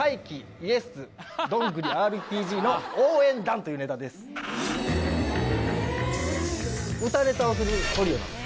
ＹｅｓどんぐりＲＰＧの応援団というネタです。